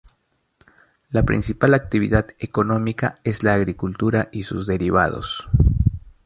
La principal actividad económica es la agricultura y sus derivados.